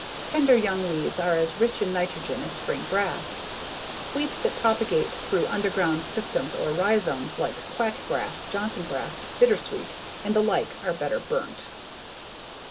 Tender young weeds are as rich in nitrogen as spring grass. Weeds that propagate through underground stems or rhizomes like quack grass, Johnsongrass, bittersweet, and the like are better burnt.